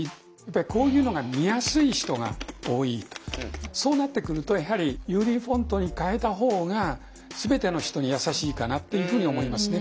こういうのが見やすい人が多いとそうなってくるとやはりＵＤフォントに変えたほうが全ての人に優しいかなっていうふうに思いますね。